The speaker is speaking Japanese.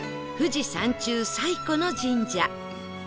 富士山中最古の神社